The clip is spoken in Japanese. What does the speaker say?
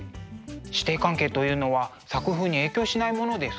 師弟関係というのは作風に影響しないものですか？